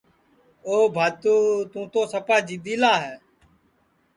او بھاتُو تُوں تو سپا جِدی لا ہے